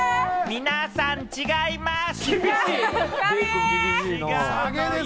皆さん、違います。